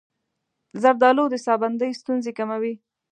زردآلو د ساه بندۍ ستونزې کموي.